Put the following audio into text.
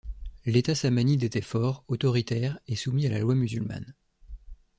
L'État samanide était fort, autoritaire et soumis à la loi musulmane.